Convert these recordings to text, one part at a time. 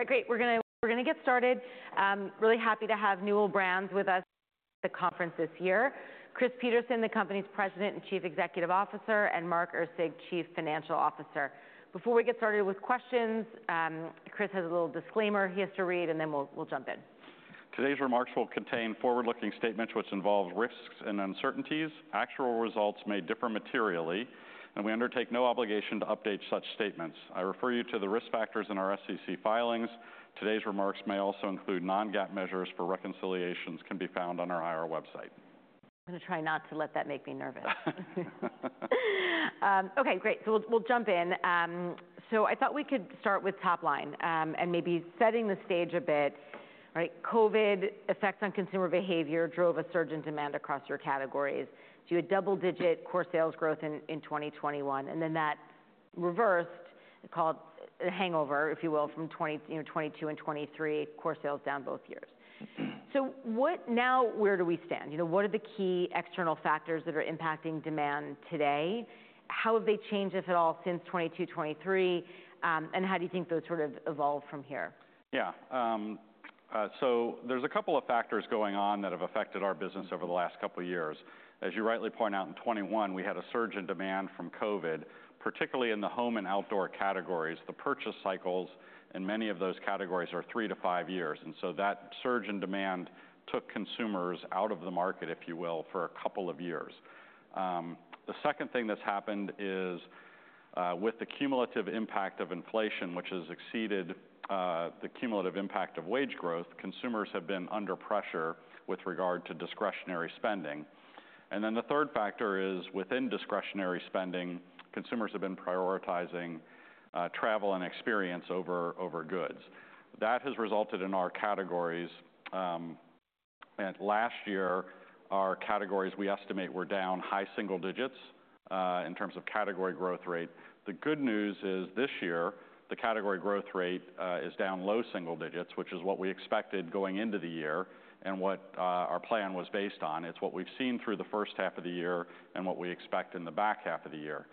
Okay. All right, great. We're gonna get started. Really happy to have Newell Brands with us at the conference this year. Chris Peterson, the company's President and Chief Executive Officer, and Mark Erceg, Chief Financial Officer. Before we get started with questions, Chris has a little disclaimer he has to read, and then we'll jump in. Today's remarks will contain forward-looking statements, which involve risks and uncertainties. Actual results may differ materially, and we undertake no obligation to update such statements. I refer you to the risk factors in our SEC filings. Today's remarks may also include non-GAAP measures, for which reconciliations can be found on our IR website. I'm gonna try not to let that make me nervous. Okay, great. So we'll jump in. So I thought we could start with top line and maybe setting the stage a bit, right? COVID effects on consumer behavior drove a surge in demand across your categories, so you had double-digit core sales growth in 2021, and then that reversed. It's called a hangover, if you will, from, you know, 2022 and 2023, core sales down both years. Mm-hmm. Now, where do we stand? You know, what are the key external factors that are impacting demand today? How have they changed, if at all, since 2022, 2023? And how do you think those sort of evolve from here? Yeah. So there's a couple of factors going on that have affected our business over the last couple of years. As you rightly point out, in 2021, we had a surge in demand from COVID, particularly in the home and outdoor categories. The purchase cycles in many of those categories are three to five years, and so that surge in demand took consumers out of the market, if you will, for a couple of years. The second thing that's happened is, with the cumulative impact of inflation, which has exceeded the cumulative impact of wage growth, consumers have been under pressure with regard to discretionary spending. Then the third factor is, within discretionary spending, consumers have been prioritizing travel and experience over goods. That has resulted in our categories, and last year, our categories, we estimate, were down high single digits in terms of category growth rate. The good news is, this year, the category growth rate is down low single digits, which is what we expected going into the year and what our plan was based on. It's what we've seen through the first half of the year and what we expect in the back half of the year.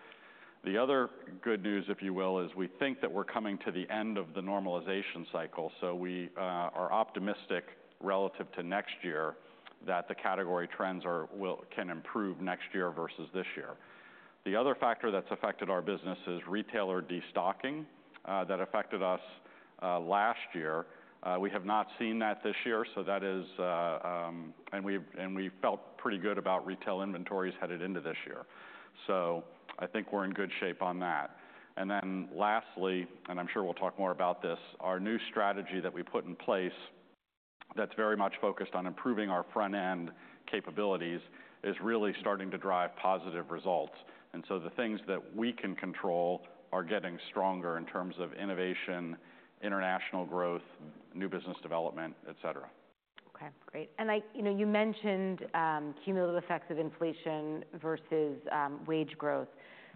The other good news, if you will, is we think that we're coming to the end of the normalization cycle, so we are optimistic relative to next year that the category trends can improve next year versus this year. The other factor that's affected our business is retailer destocking that affected us last year. We have not seen that this year, so that is, and we felt pretty good about retail inventories headed into this year. So I think we're in good shape on that. And then lastly, and I'm sure we'll talk more about this, our new strategy that we put in place, that's very much focused on improving our front-end capabilities, is really starting to drive positive results. And so the things that we can control are getting stronger in terms of innovation, international growth, new business development, et cetera. Okay, great. And you know, you mentioned cumulative effects of inflation versus wage growth.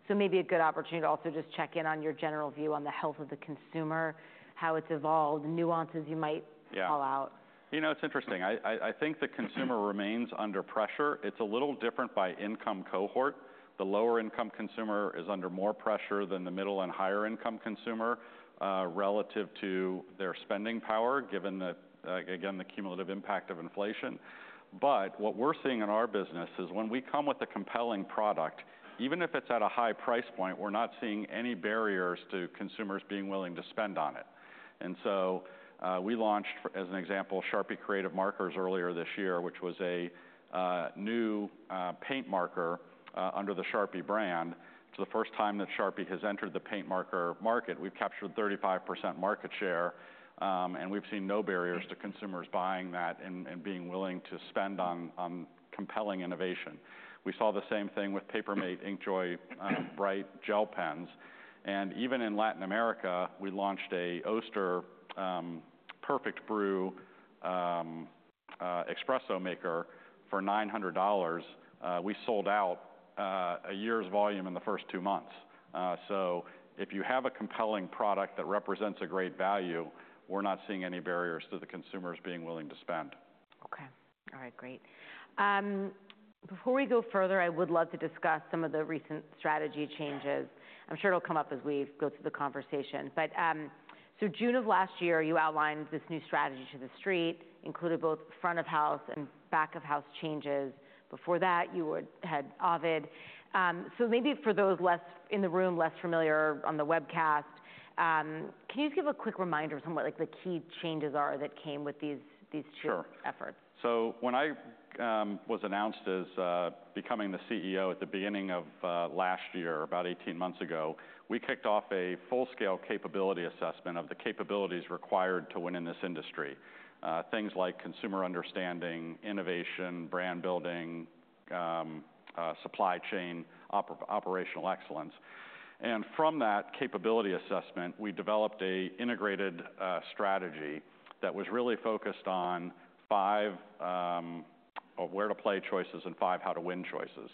So maybe a good opportunity to also just check in on your general view on the health of the consumer, how it's evolved, nuances you might- Yeah... call out. You know, it's interesting. I think the consumer remains under pressure. It's a little different by income cohort. The lower-income consumer is under more pressure than the middle and higher-income consumer, relative to their spending power, given that, again, the cumulative impact of inflation. But what we're seeing in our business is when we come with a compelling product, even if it's at a high price point, we're not seeing any barriers to consumers being willing to spend on it. And so, we launched, as an example, Sharpie Creative Markers earlier this year, which was a new paint marker under the Sharpie brand. It's the first time that Sharpie has entered the paint marker market. We've captured 35% market share, and we've seen no barriers to consumers buying that and being willing to spend on compelling innovation. We saw the same thing with Paper Mate InkJoy, bright gel pens, and even in Latin America, we launched an Oster Perfect Brew espresso maker for $900. We sold out a year's volume in the first two months, so if you have a compelling product that represents a great value, we're not seeing any barriers to the consumers being willing to spend. Okay. All right, great. Before we go further, I would love to discuss some of the recent strategy changes. Yeah. I'm sure it'll come up as we go through the conversation. But so June of last year, you outlined this new strategy to the street, including both front of house and back of house changes. Before that, you had Ovid. So maybe for those less familiar in the room or on the webcast, can you just give a quick reminder of some of what, like, the key changes are that came with these two- Sure... efforts? So when I was announced as becoming the CEO at the beginning of last year, about 18 months ago, we kicked off a full-scale capability assessment of the capabilities required to win in this industry. Things like consumer understanding, innovation, brand building, supply chain, operational excellence. And from that capability assessment, we developed a integrated strategy that was really focused on five of where to play choices and five how to win choices.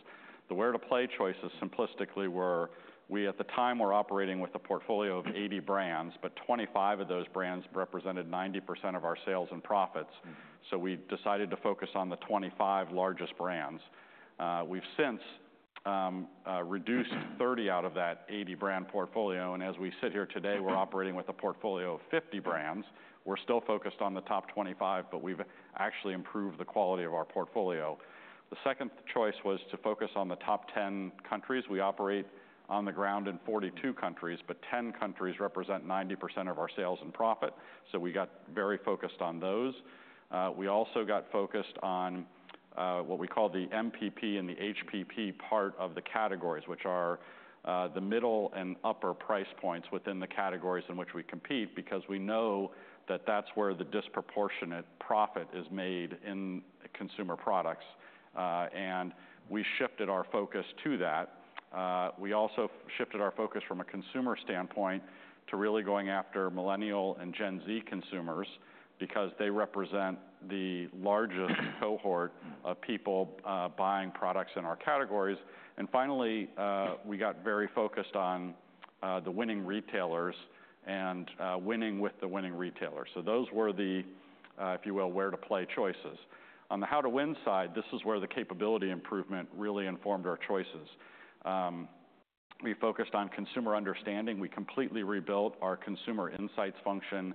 The where to play choices, simplistically, were we at the time were operating with a portfolio of 80 brands, but 25 of those brands represented 90% of our sales and profits. Mm-hmm. So we decided to focus on the twenty-five largest brands. We've since reduced thirty out of that eighty brand portfolio, and as we sit here today, we're operating with a portfolio of fifty brands. We're still focused on the top twenty-five, but we've actually improved the quality of our portfolio. The second choice was to focus on the top ten countries. We operate on the ground in forty-two countries, but ten countries represent 90% of our sales and profit. So we got very focused on those. We also got focused on what we call the MPP and the HPP part of the categories, which are the middle and upper price points within the categories in which we compete, because we know that that's where the disproportionate profit is made in consumer products, and we shifted our focus to that. We also shifted our focus from a consumer standpoint to really going after Millennial and Gen Z consumers, because they represent the largest cohort of people buying products in our categories, and finally, we got very focused on the winning retailers and winning with the winning retailers, so those were the, if you will, where to play choices. On the how to win side, this is where the capability improvement really informed our choices. We focused on consumer understanding. We completely rebuilt our consumer insights function.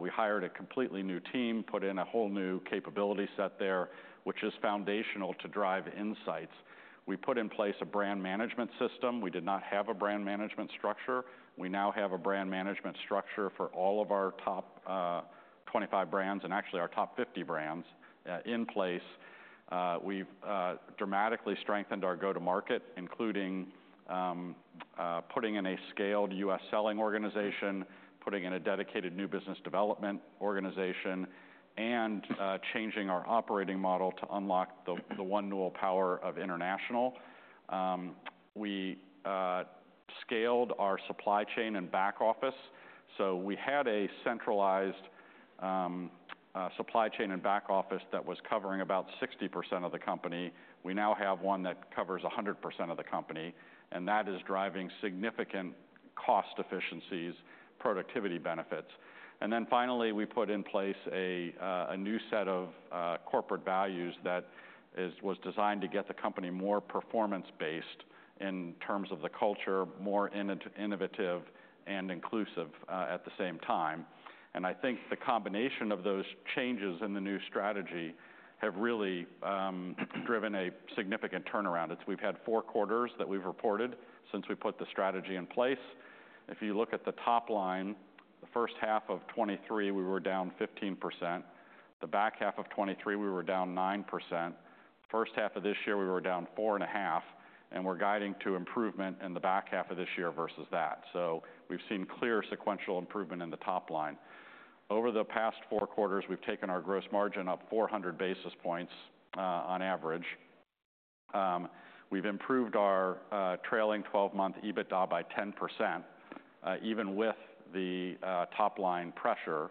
We hired a completely new team, put in a whole new capability set there, which is foundational to drive insights. We put in place a brand management system. We did not have a brand management structure. We now have a brand management structure for all of our top 25 brands and actually our top 50 brands in place. We've dramatically strengthened our go-to-market, including putting in a scaled U.S. selling organization, putting in a dedicated new business development organization, and changing our operating model to unlock the one new power of international. We scaled our supply chain and back office, so we had a centralized supply chain and back office that was covering about 60% of the company. We now have one that covers 100% of the company, and that is driving significant cost efficiencies, productivity benefits. And then finally, we put in place a new set of corporate values that was designed to get the company more performance-based in terms of the culture, more innovative and inclusive, at the same time. And I think the combination of those changes in the new strategy have really driven a significant turnaround. We've had four quarters that we've reported since we put the strategy in place. If you look at the top line, the first half of 2023, we were down 15%. The back half of 2023, we were down 9%. First half of this year, we were down 4.5%, and we're guiding to improvement in the back half of this year versus that. So we've seen clear sequential improvement in the top line. Over the past four quarters, we've taken our gross margin up 400 basis points, on average. We've improved our trailing 12-month EBITDA by 10%, even with the top-line pressure,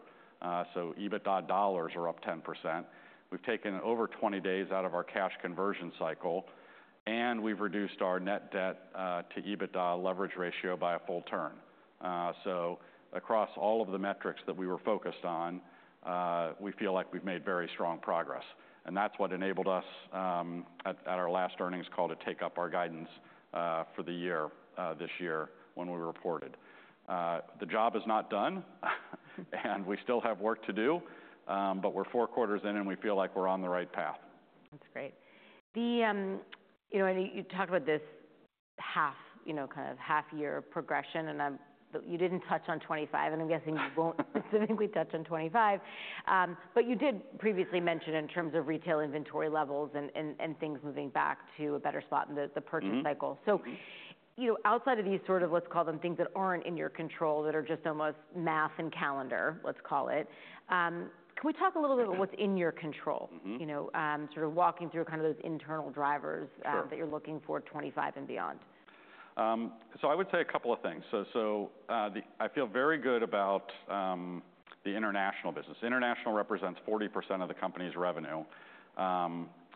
so EBITDA dollars are up 10%. We've taken over 20 days out of our cash conversion cycle, and we've reduced our net debt to EBITDA leverage ratio by a full turn. So across all of the metrics that we were focused on, we feel like we've made very strong progress, and that's what enabled us, at our last earnings call, to take up our guidance, for the year this year when we reported. The job is not done, and we still have work to do, but we're four quarters in, and we feel like we're on the right path. That's great. The, you know, and you talked about this half, you know, kind of half year progression, and I'm, but you didn't touch on 2025, and I'm guessing you won't specifically touch on 2025. But you did previously mention in terms of retail inventory levels and things moving back to a better spot in the purchase cycle. Mm-hmm. You know, outside of these sort of, let's call them things that aren't in your control, that are just almost math and calendar, let's call it, can we talk a little bit- Mm-hmm. About what's in your control? Mm-hmm. You know, sort of walking through kind of those internal drivers- Sure... that you're looking for twenty-five and beyond. I would say a couple of things. I feel very good about the international business. International represents 40% of the company's revenue.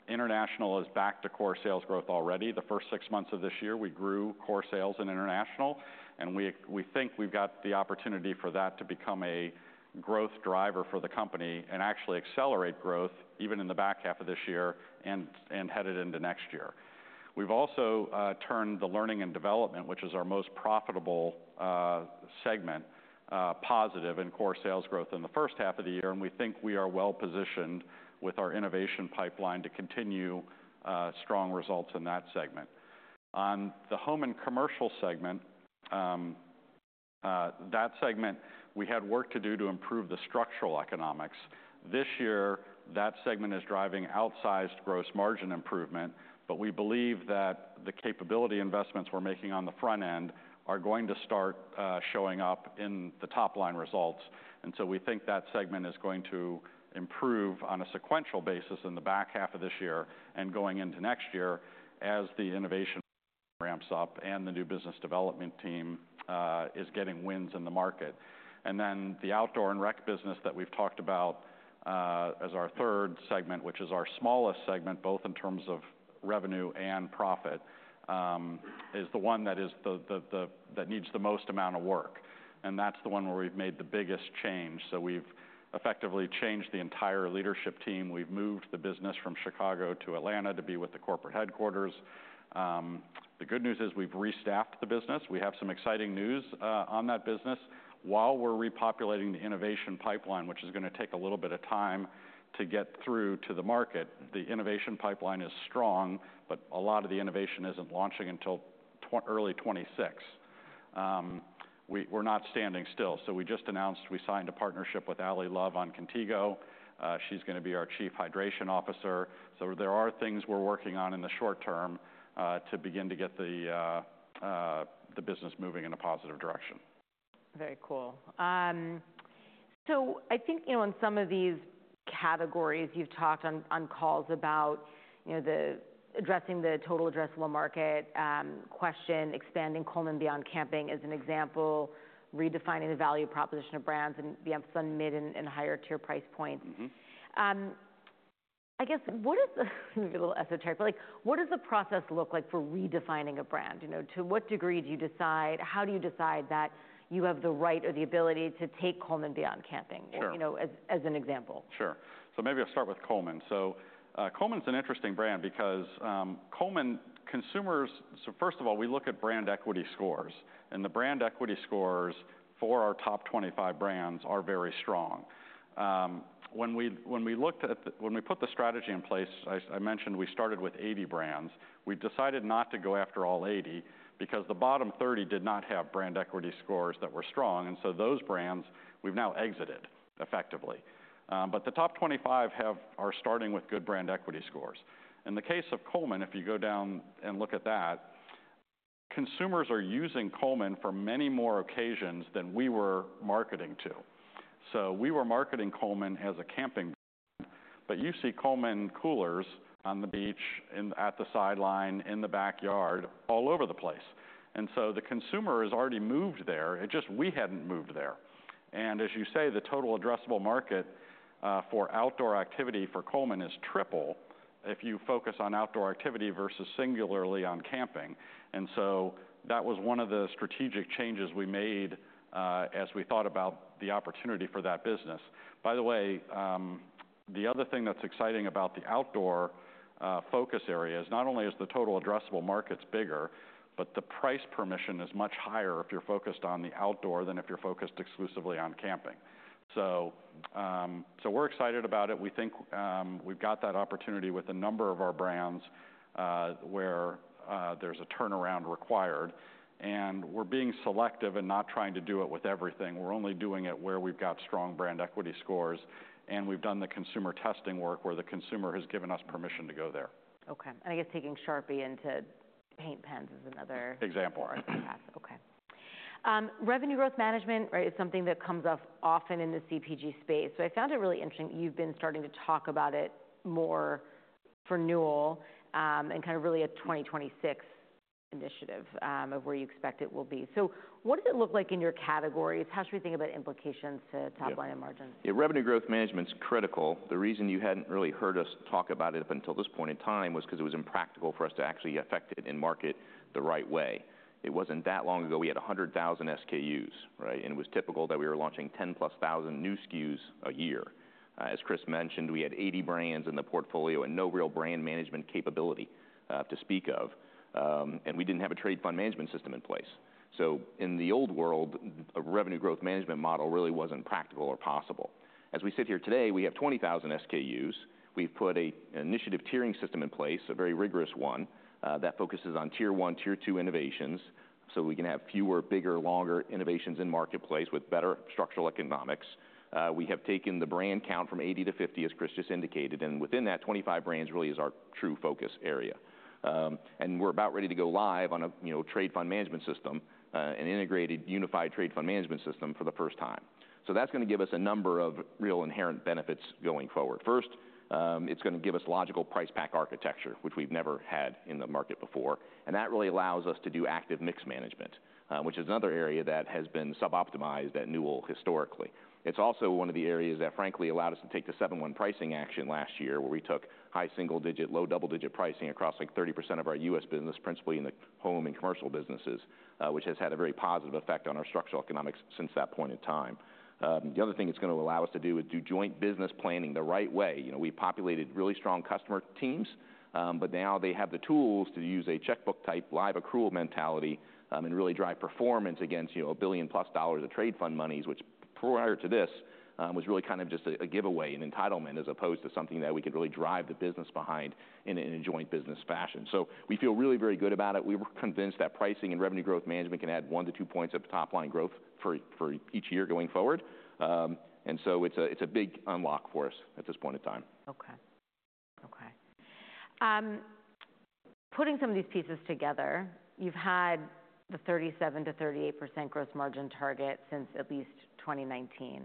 International is back to core sales growth already. The first six months of this year, we grew core sales in international, and we think we've got the opportunity for that to become a growth driver for the company and actually accelerate growth even in the back half of this year and headed into next year. We've also turned the Learning & Development, which is our most profitable segment, positive in core sales growth in the first half of the year, and we think we are well-positioned with our innovation pipeline to continue strong results in that segment. On the Home & Commercial segment, that segment, we had work to do to improve the structural economics. This year, that segment is driving outsized gross margin improvement, but we believe that the capability investments we're making on the front end are going to start showing up in the top-line results. And so we think that segment is going to improve on a sequential basis in the back half of this year and going into next year as the innovation ramps up and the new business development team is getting wins in the market. And then the Outdoor & Rec business that we've talked about as our third segment, which is our smallest segment, both in terms of revenue and profit. is the one that needs the most amount of work, and that's the one where we've made the biggest change, so we've effectively changed the entire leadership team. We've moved the business from Chicago to Atlanta to be with the corporate headquarters. The good news is we've restaffed the business. We have some exciting news on that business. While we're repopulating the innovation pipeline, which is going to take a little bit of time to get through to the market, the innovation pipeline is strong, but a lot of the innovation isn't launching until early 2026. We're not standing still, so we just announced we signed a partnership with Ally Love on Contigo. She's going to be our Chief Hydration Officer. So there are things we're working on in the short term, to begin to get the business moving in a positive direction. Very cool. So I think, you know, in some of these categories, you've talked on calls about, you know, the addressing the total addressable market question, expanding Coleman beyond camping, as an example, redefining the value proposition of brands and the emphasis on mid and higher tier price points. Mm-hmm. I guess, maybe a little esoteric, but, like, what does the process look like for redefining a brand? You know, to what degree do you decide. How do you decide that you have the right or the ability to take Coleman beyond camping- Sure... you know, as, as an example? Sure. So maybe I'll start with Coleman. So, Coleman's an interesting brand because, Coleman, consumers... So first of all, we look at brand equity scores, and the brand equity scores for our top twenty-five brands are very strong. When we put the strategy in place, I mentioned we started with eighty brands. We decided not to go after all eighty because the bottom thirty did not have brand equity scores that were strong, and so those brands, we've now exited, effectively. But the top twenty-five have, are starting with good brand equity scores. In the case of Coleman, if you go down and look at that, consumers are using Coleman for many more occasions than we were marketing to. So we were marketing Coleman as a camping brand, but you see Coleman coolers on the beach, at the sideline, in the backyard, all over the place, and so the consumer has already moved there. It's just we hadn't moved there. And as you say, the total addressable market for outdoor activity for Coleman is triple if you focus on outdoor activity versus singularly on camping. And so that was one of the strategic changes we made as we thought about the opportunity for that business. By the way, the other thing that's exciting about the outdoor focus area is not only is the total addressable markets bigger, but the price permission is much higher if you're focused on the outdoor than if you're focused exclusively on camping. So, so we're excited about it. We think we've got that opportunity with a number of our brands, where there's a turnaround required, and we're being selective and not trying to do it with everything. We're only doing it where we've got strong brand equity scores, and we've done the consumer testing work, where the consumer has given us permission to go there. Okay, and I guess taking Sharpie into paint pens is another- Example, right. Okay. Revenue growth management, right, is something that comes up often in the CPG space. So I found it really interesting that you've been starting to talk about it more for Newell, and kind of really a twenty twenty-six initiative, of where you expect it will be. So what does it look like in your categories? How should we think about implications to- Yeah... top line and margins? Yeah, revenue growth management's critical. The reason you hadn't really heard us talk about it up until this point in time was because it was impractical for us to actually affect it and market the right way. It wasn't that long ago we had one hundred thousand SKUs, right? And it was typical that we were launching ten plus thousand new SKUs a year. As Chris mentioned, we had eighty brands in the portfolio and no real brand management capability to speak of, and we didn't have a trade fund management system in place. So in the old world, a revenue growth management model really wasn't practical or possible. As we sit here today, we have twenty thousand SKUs. We've put an initiative tiering system in place, a very rigorous one, that focuses on tier one, tier two innovations, so we can have fewer, bigger, longer innovations in marketplace with better structural economics. We have taken the brand count from 80 to 50, as Chris just indicated, and within that, 25 brands really is our true focus area, and we're about ready to go live on a, you know, trade fund management system, an integrated, unified trade fund management system for the first time. So that's going to give us a number of real inherent benefits going forward. First, it's going to give us logical price pack architecture, which we've never had in the market before, and that really allows us to do active mix management, which is another area that has been sub-optimized at Newell historically. It's also one of the areas that, frankly, allowed us to take the 7/1 pricing action last year, where we took high single digit, low double digit pricing across, like, 30% of our U.S. business, principally in the home and commercial businesses, which has had a very positive effect on our structural economics since that point in time. The other thing it's going to allow us to do is do joint business planning the right way. You know, we've populated really strong customer teams, but now they have the tools to use a checkbook-type, live accrual mentality, and really drive performance against, you know, $1 billion plus dollars of trade fund monies, which prior to this, was really kind of just a giveaway, an entitlement, as opposed to something that we could really drive the business behind in a joint business fashion. So we feel really very good about it. We're convinced that pricing and revenue growth management can add one to two points of top line growth for each year going forward. And so it's a big unlock for us at this point in time. Putting some of these pieces together, you've had the 37%-38% gross margin target since at least 2019,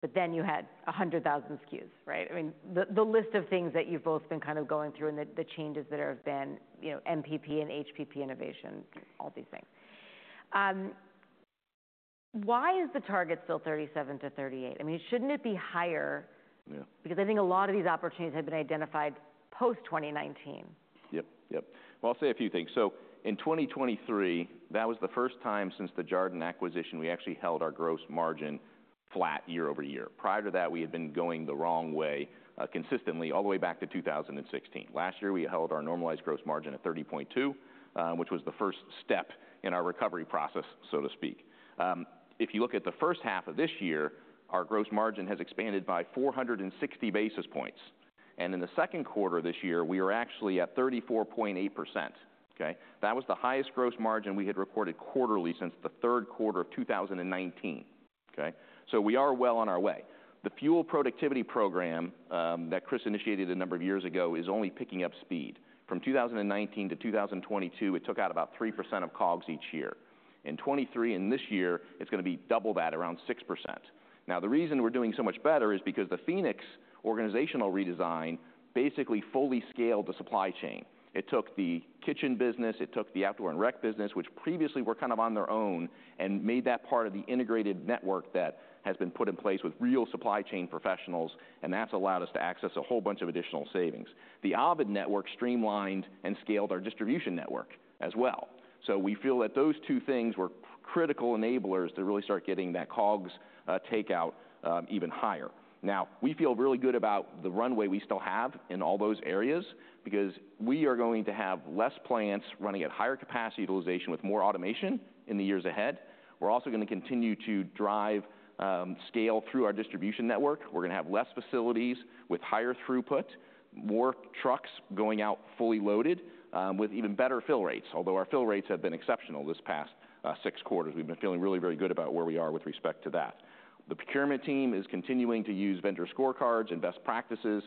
but then you had 100,000 SKUs, right? I mean, the, the list of things that you've both been kind of going through and the, the changes that have been, you know, MPP and HPP innovation, all these things. Why is the target still 37%-38%? I mean, shouldn't it be higher? Yeah. Because I think a lot of these opportunities have been identified post 2019. Yep, yep. Well, I'll say a few things. So in 2023, that was the first time since the Jarden acquisition, we actually held our gross margin flat year over year. Prior to that, we had been going the wrong way consistently all the way back to 2016. Last year, we held our normalized gross margin at 30.2%, which was the first step in our recovery process, so to speak. If you look at the first half of this year, our gross margin has expanded by 460 basis points, and in the second quarter this year, we are actually at 34.8%. Okay? That was the highest gross margin we had recorded quarterly since the third quarter of 2019. Okay? So we are well on our way. The Fuel productivity program, that Chris initiated a number of years ago, is only picking up speed. From 2019 to 2022, it took out about 3% of COGS each year. In 2023 and this year, it's gonna be double that, around 6%. Now, the reason we're doing so much better is because the Phoenix organizational redesign basically fully scaled the supply chain. It took the kitchen business, it took the outdoor and rec business, which previously were kind of on their own, and made that part of the integrated network that has been put in place with real supply chain professionals, and that's allowed us to access a whole bunch of additional savings. The Ovid Network streamlined and scaled our distribution network as well. So we feel that those two things were critical enablers to really start getting that COGS takeout even higher. Now, we feel really good about the runway we still have in all those areas because we are going to have less plants running at higher capacity utilization with more automation in the years ahead. We're also gonna continue to drive scale through our distribution network. We're gonna have less facilities with higher throughput, more trucks going out fully loaded with even better fill rates, although our fill rates have been exceptional this past six quarters. We've been feeling really very good about where we are with respect to that. The procurement team is continuing to use vendor scorecards and best practices,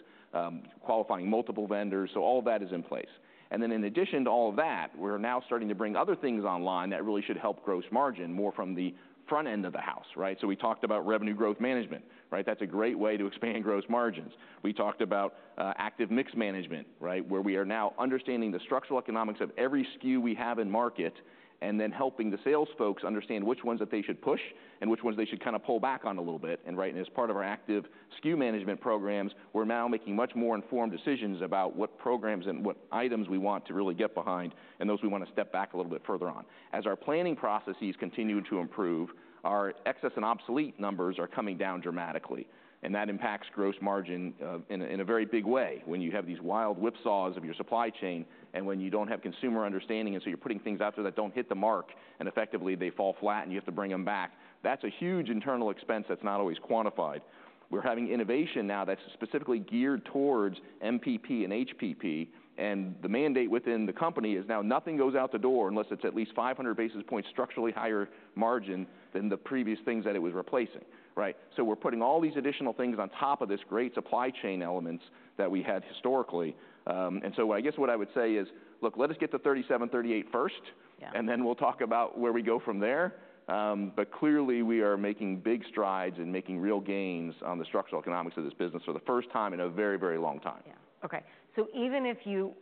qualifying multiple vendors, so all that is in place. And then in addition to all of that, we're now starting to bring other things online that really should help gross margin more from the front end of the house, right? So we talked about revenue growth management, right? That's a great way to expand gross margins. We talked about active mix management, right? Where we are now understanding the structural economics of every SKU we have in market, and then helping the sales folks understand which ones that they should push and which ones they should kind of pull back on a little bit. And right, as part of our active SKU management programs, we're now making much more informed decisions about what programs and what items we want to really get behind, and those we wanna step back a little bit further on. As our planning processes continue to improve, our excess and obsolete numbers are coming down dramatically, and that impacts gross margin in a very big way. When you have these wild whip saws of your supply chain and when you don't have consumer understanding, and so you're putting things out there that don't hit the mark, and effectively they fall flat and you have to bring them back, that's a huge internal expense that's not always quantified. We're having innovation now that's specifically geared towards MPP and HPP, and the mandate within the company is now nothing goes out the door unless it's at least 500 basis points structurally higher margin than the previous things that it was replacing, right? So we're putting all these additional things on top of this great supply chain elements that we had historically. And so I guess what I would say is, look, let us get to 37-38 first- Yeah. and then we'll talk about where we go from there. But clearly, we are making big strides and making real gains on the structural economics of this business for the first time in a very, very long time. Yeah. Okay, so even if you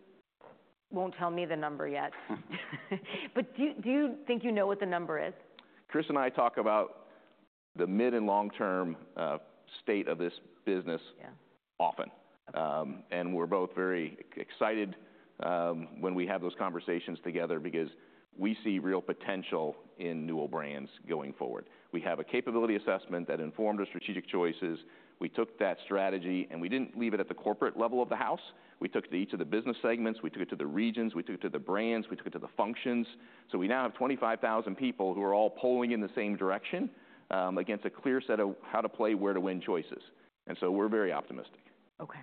won't tell me the number yet, but do you think you know what the number is? Chris and I talk about the mid- and long-term state of this business- Yeah often. And we're both very excited when we have those conversations together because we see real potential in Newell Brands going forward. We have a capability assessment that informed our strategic choices. We took that strategy, and we didn't leave it at the corporate level of the house. We took it to each of the business segments, we took it to the regions, we took it to the brands, we took it to the functions. So we now have 25,000 people who are all pulling in the same direction against a clear set of how to play, where to win choices. And so we're very optimistic. Okay.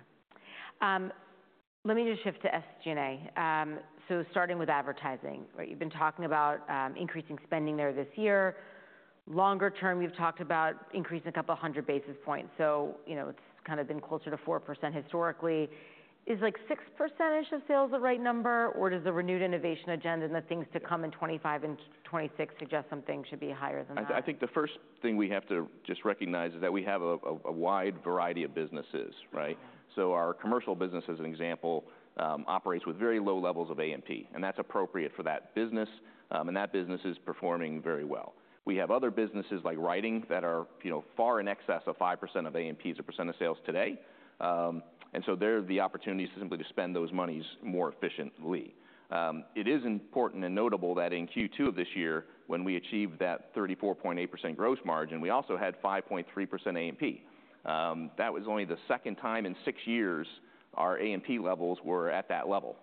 Let me just shift to SG&A. So starting with advertising, right? You've been talking about, increasing spending there this year. Longer term, you've talked about increasing a couple of hundred basis points. So you know, it's kind of been closer to 4% historically. Is like 6%-ish of sales the right number, or does the renewed innovation agenda and the things to come in 2025 and 2026 suggest something should be higher than that? I think the first thing we have to just recognize is that we have a wide variety of businesses, right? Yeah. So our commercial business, as an example, operates with very low levels of A&P, and that's appropriate for that business, and that business is performing very well. We have other businesses, like Writing, that are, you know, far in excess of 5% of A&P as a percent of sales today. And so there are the opportunities simply to spend those monies more efficiently. It is important and notable that in Q2 of this year, when we achieved that 34.8% gross margin, we also had 5.3% A&P. That was only the second time in six years our A&P levels were at that level.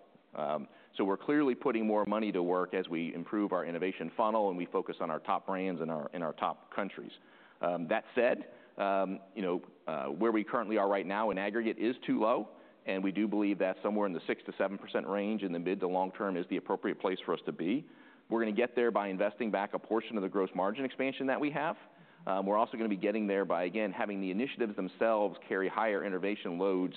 So we're clearly putting more money to work as we improve our innovation funnel and we focus on our top brands in our top countries. That said, you know, where we currently are right now in aggregate is too low, and we do believe that somewhere in the 6%-7% range in the mid to long term is the appropriate place for us to be. We're gonna get there by investing back a portion of the gross margin expansion that we have. We're also gonna be getting there by, again, having the initiatives themselves carry higher innovation loads,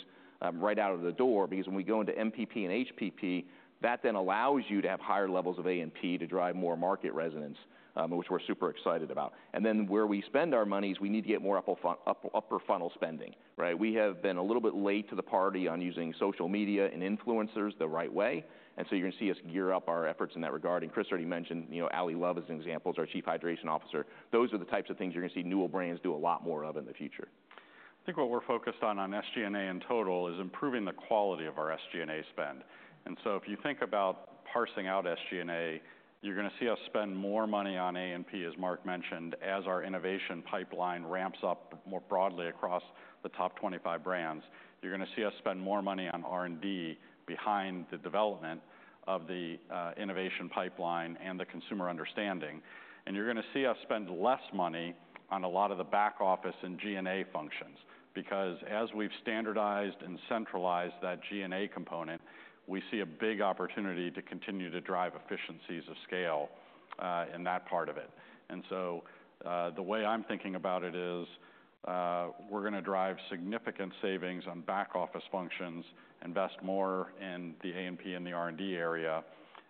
right out of the door, because when we go into MPP and HPP, that then allows you to have higher levels of A&P to drive more market resonance, which we're super excited about. And then where we spend our monies, we need to get more upper funnel spending, right? We have been a little bit late to the party on using social media and influencers the right way, and so you're gonna see us gear up our efforts in that regard, and Chris already mentioned, you know, Ally Love, as an example, is our Chief Hydration Officer. Those are the types of things you're gonna see Newell Brands do a lot more of in the future.... I think what we're focused on, on SG&A in total, is improving the quality of our SG&A spend. And so if you think about parsing out SG&A, you're gonna see us spend more money on A&P, as Mark mentioned, as our innovation pipeline ramps up more broadly across the top twenty-five brands. You're gonna see us spend more money on R&D behind the development of the innovation pipeline and the consumer understanding, and you're gonna see us spend less money on a lot of the back office and G&A functions, because as we've standardized and centralized that G&A component, we see a big opportunity to continue to drive efficiencies of scale in that part of it. And so, the way I'm thinking about it is, we're gonna drive significant savings on back office functions, invest more in the A&P and the R&D area.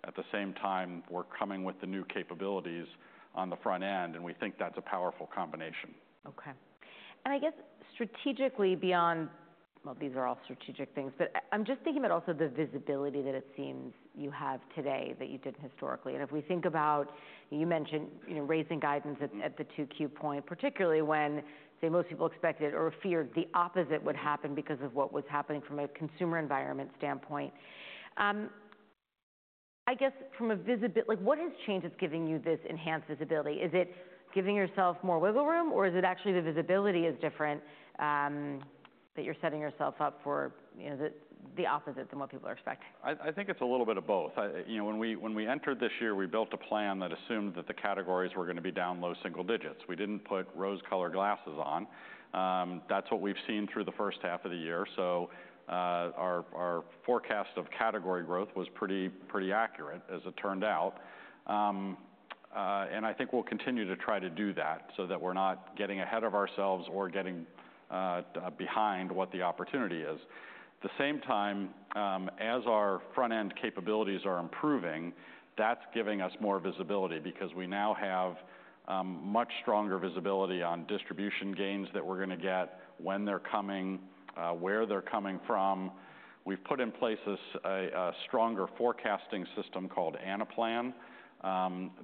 At the same time, we're coming with the new capabilities on the front end, and we think that's a powerful combination. Okay, and I guess strategically beyond—well, these are all strategic things, but I'm just thinking about also the visibility that it seems you have today that you didn't historically. And if we think about, you mentioned, you know, raising guidance at, at the 2Q point, particularly when, say, most people expected or feared the opposite would happen because of what was happening from a consumer environment standpoint. I guess from a visibility—like, what has changed that's giving you this enhanced visibility? Is it giving yourself more wiggle room, or is it actually the visibility is different, that you're setting yourself up for, you know, the opposite than what people are expecting? I think it's a little bit of both. You know, when we entered this year, we built a plan that assumed that the categories were gonna be down low single digits. We didn't put rose-colored glasses on. That's what we've seen through the first half of the year, so our forecast of category growth was pretty accurate as it turned out. And I think we'll continue to try to do that so that we're not getting ahead of ourselves or getting behind what the opportunity is. At the same time, as our front-end capabilities are improving, that's giving us more visibility because we now have much stronger visibility on distribution gains that we're gonna get, when they're coming, where they're coming from. We've put in place a stronger forecasting system called Anaplan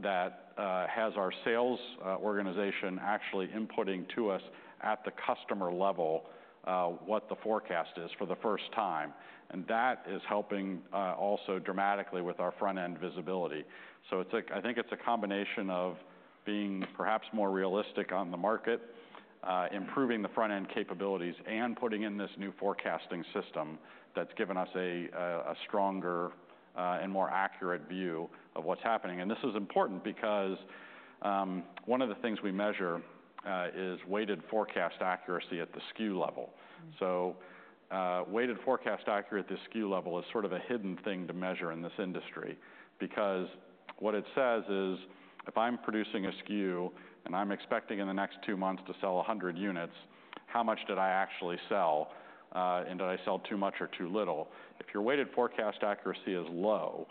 that has our sales organization actually inputting to us at the customer level what the forecast is for the first time, and that is helping also dramatically with our front-end visibility. So it's like, I think it's a combination of being perhaps more realistic on the market, improving the front-end capabilities, and putting in this new forecasting system that's given us a stronger and more accurate view of what's happening. And this is important because, one of the things we measure is weighted forecast accuracy at the SKU level. Mm. Weighted forecast accuracy at the SKU level is sort of a hidden thing to measure in this industry, because what it says is, if I'm producing a SKU, and I'm expecting in the next two months to sell 100 units, how much did I actually sell? And did I sell too much or too little? If your weighted forecast accuracy is low,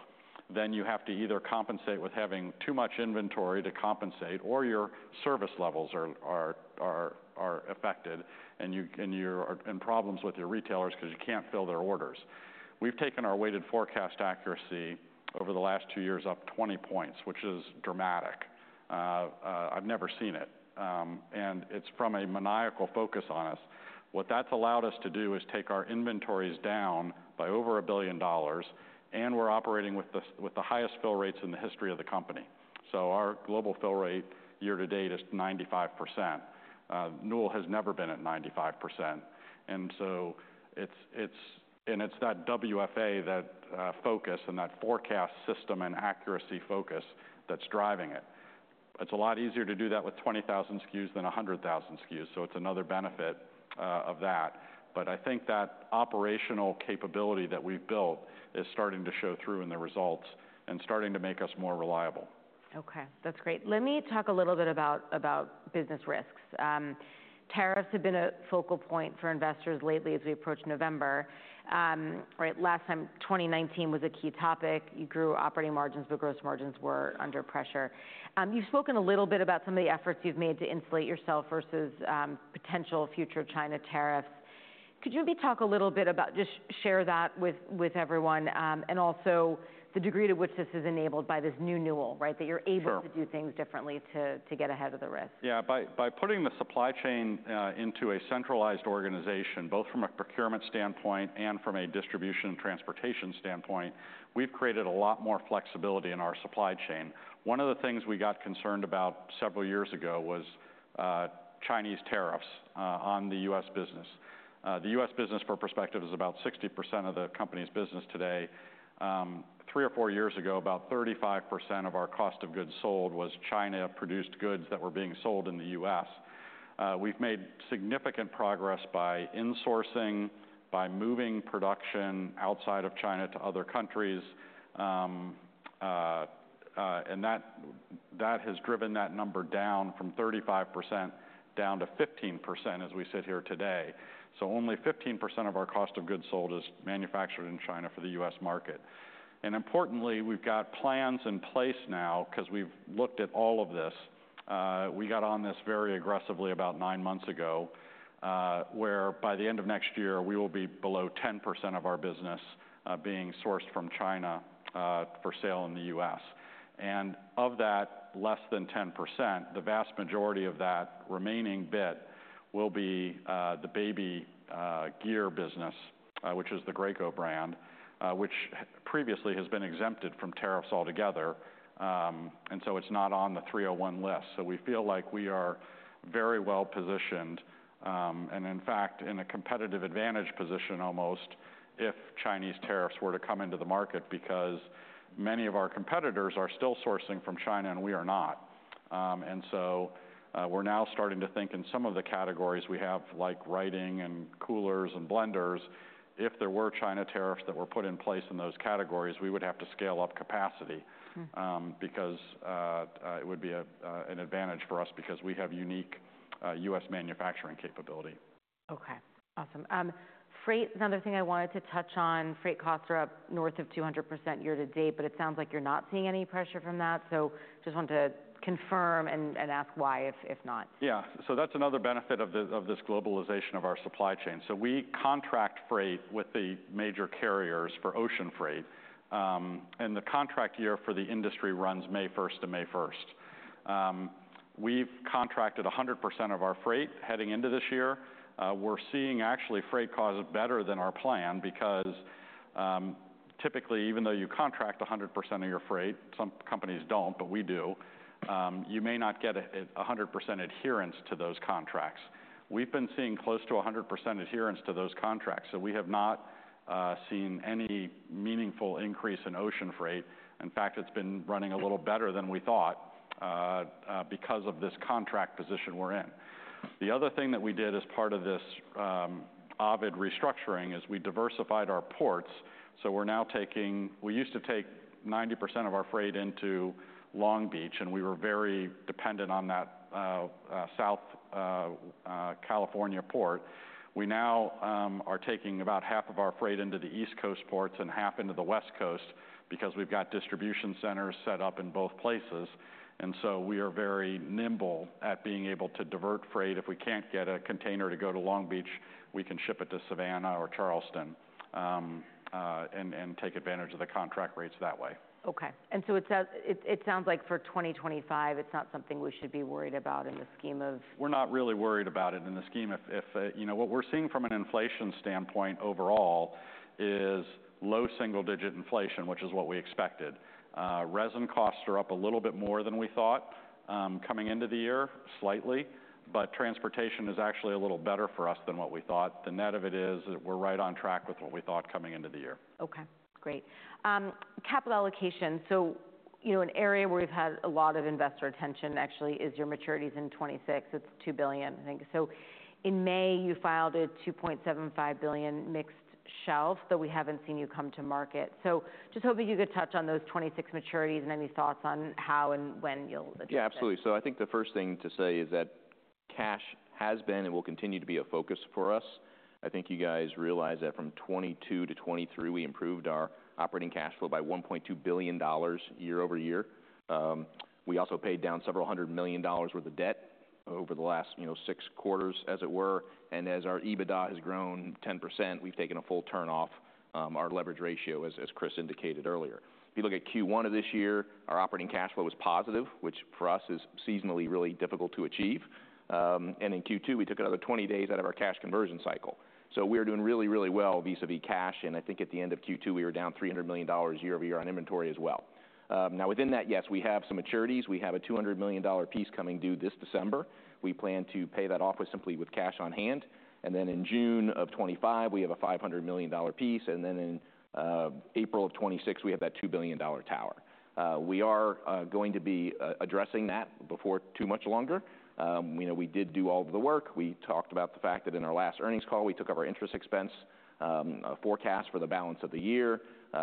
then you have to either compensate with having too much inventory, or your service levels are affected, and problems with your retailers because you can't fill their orders. We've taken our weighted forecast accuracy over the last two years up 20 points, which is dramatic. I've never seen it, and it's from a maniacal focus on us. What that's allowed us to do is take our inventories down by over $1 billion, and we're operating with the highest fill rates in the history of the company. Our global fill rate year to date is 95%. Newell has never been at 95%, and so it's that WFA, that focus and that forecast system and accuracy focus that's driving it. It's a lot easier to do that with 20,000 SKUs than 100,000 SKUs, so it's another benefit of that. But I think that operational capability that we've built is starting to show through in the results and starting to make us more reliable. Okay, that's great. Let me talk a little bit about business risks. Tariffs have been a focal point for investors lately as we approach November. Right, last time, twenty nineteen was a key topic. You grew operating margins, but gross margins were under pressure. You've spoken a little bit about some of the efforts you've made to insulate yourself versus potential future China tariffs. Could you maybe talk a little bit about, just share that with everyone, and also the degree to which this is enabled by this new Newell, right? Sure. That you're able to do things differently to get ahead of the risk. Yeah. By putting the supply chain into a centralized organization, both from a procurement standpoint and from a distribution and transportation standpoint, we've created a lot more flexibility in our supply chain. One of the things we got concerned about several years ago was Chinese tariffs on the U.S. business. The U.S. business, for perspective, is about 60% of the company's business today. Three or four years ago, about 35% of our cost of goods sold was China-produced goods that were being sold in the U.S. We've made significant progress by insourcing, by moving production outside of China to other countries, and that has driven that number down from 35% down to 15% as we sit here today. So only 15% of our cost of goods sold is manufactured in China for the U.S. market.... And importantly, we've got plans in place now, 'cause we've looked at all of this. We got on this very aggressively about nine months ago, where by the end of next year, we will be below 10% of our business being sourced from China for sale in the U.S. And of that less than 10%, the vast majority of that remaining bit will be the baby gear business, which is the Graco brand, which previously has been exempted from tariffs altogether. And so it's not on the 301 list. So we feel like we are very well-positioned, and in fact, in a competitive advantage position almost, if Chinese tariffs were to come into the market, because many of our competitors are still sourcing from China, and we are not. And so, we're now starting to think in some of the categories we have, like writing and coolers and blenders, if there were China tariffs that were put in place in those categories, we would have to scale up capacity- Hmm. Because it would be an advantage for us because we have unique U.S. manufacturing capability. Okay, awesome. Freight is another thing I wanted to touch on. Freight costs are up north of 200% year to date, but it sounds like you're not seeing any pressure from that. So just wanted to confirm and ask why, if not. Yeah. So that's another benefit of this, of this globalization of our supply chain. So we contract freight with the major carriers for ocean freight. And the contract year for the industry runs May 1st to May 1st. We've contracted 100% of our freight heading into this year. We're seeing actually freight costs better than our plan, because, typically, even though you contract 100% of your freight, some companies don't, but we do, you may not get a 100% adherence to those contracts. We've been seeing close to 100% adherence to those contracts. So we have not seen any meaningful increase in ocean freight. In fact, it's been running a little better than we thought, because of this contract position we're in. The other thing that we did as part of this Ovid restructuring is we diversified our ports, so we're now taking. We used to take 90% of our freight into Long Beach, and we were very dependent on that Southern California port. We now are taking about half of our freight into the East Coast ports and half into the West Coast, because we've got distribution centers set up in both places, and so we are very nimble at being able to divert freight. If we can't get a container to go to Long Beach, we can ship it to Savannah or Charleston, and take advantage of the contract rates that way. Okay. And so it sounds like for twenty twenty-five, it's not something we should be worried about in the scheme of- We're not really worried about it in the scheme. You know, what we're seeing from an inflation standpoint overall is low double digit inflation, which is what we expected. Resin costs are up a little bit more than we thought, coming into the year, slightly, but transportation is actually a little better for us than what we thought. The net of it is, we're right on track with what we thought coming into the year. Okay, great. Capital allocation. So, you know, an area where we've had a lot of investor attention, actually, is your maturities in 2026. It's $2 billion, I think. So in May, you filed a $2.75 billion mixed shelf, but we haven't seen you come to market. So just hoping you could touch on those 2026 maturities and any thoughts on how and when you'll address it. Yeah, absolutely. So I think the first thing to say is that cash has been and will continue to be a focus for us. I think you guys realize that from 2022 to 2023, we improved our operating cash flow by $1.2 billion year over year. We also paid down several hundred million dollars worth of debt over the last, you know, 6 quarters, as it were, and as our EBITDA has grown 10%, we've taken a full turn off our leverage ratio, as Chris indicated earlier. If you look at Q1 of this year, our operating cash flow is positive, which for us, is seasonally really difficult to achieve. And in Q2, we took another 20 days out of our cash conversion cycle. So we are doing really, really well vis-à-vis cash, and I think at the end of Q2, we were down $300 million year over year on inventory as well. Now within that, yes, we have some maturities. We have a $200 million piece coming due this December. We plan to pay that off simply with cash on hand, and then in June of 2025, we have a $500 million piece, and then in April of 2026, we have that $2 billion tower. We are going to be addressing that before too much longer. You know, we did do all of the work. We talked about the fact that in our last earnings call, we took up our interest expense forecast for the balance of the year.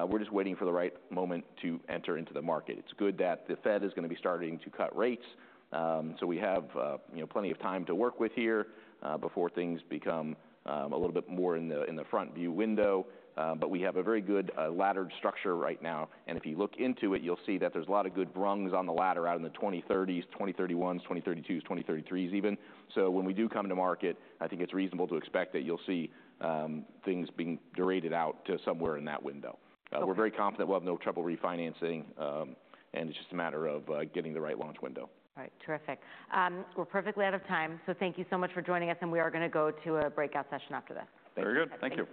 We're just waiting for the right moment to enter into the market. It's good that the Fed is gonna be starting to cut rates, so we have, you know, plenty of time to work with here, before things become a little bit more in the front view window. But we have a very good laddered structure right now, and if you look into it, you'll see that there's a lot of good rungs on the ladder out in the twenty-thirties, twenty-thirty-ones, twenty-thirty-twos, twenty-thirty-threes, even. So when we do come to market, I think it's reasonable to expect that you'll see things being dated out to somewhere in that window. Okay. We're very confident we'll have no trouble refinancing, and it's just a matter of getting the right launch window. All right. Terrific. We're perfectly out of time, so thank you so much for joining us, and we are gonna go to a breakout session after this. Very good. Thank you.